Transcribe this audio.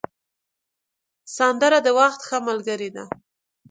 سندره د وخت ښه ملګرې ده